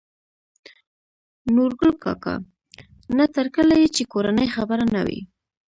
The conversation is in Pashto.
نورګل کاکا : نه تر کله يې چې کورنۍ خبره نه وي